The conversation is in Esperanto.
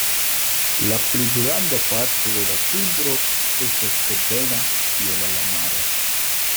La pli granda parto de la tundro estas ebena kiel la maro.